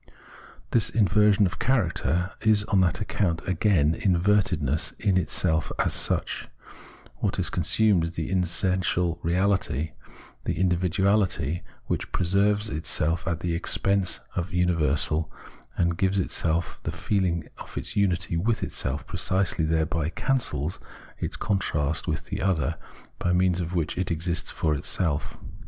This inversion of character, however, is on that account again invertedness in itself as such. Wliat is consumed is the essential reahty : the IndividuaUty, which pre serves itself at the expense of the universal and gives itself the feeling of its unity with itseH, precisely thereby cancels its contrast with the other, by means of which it exists for itself.